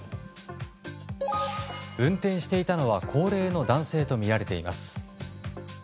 運転していたのは高齢の男性とみられています。